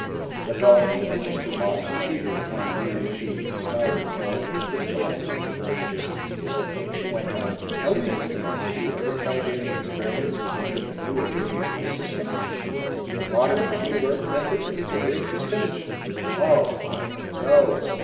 The Dawsons and Mr. Mott teetered upon weary feet, and smiled at Carol with crystallized expressions. She went on: "Tell me, Mr. Mott: Have you ever tried any experiments with any of the new educational systems? The modern kindergarten methods or the Gary system?" "Oh. Those.